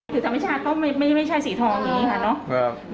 ถือถามวิทยาศาสตร์ก็ไม่ใช่สีทองอย่างนี้ค่ะเนาะ